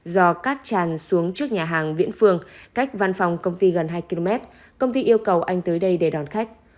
do cát tràn xuống trước nhà hàng viễn phương cách văn phòng công ty gần hai km công ty yêu cầu anh tới đây để đón khách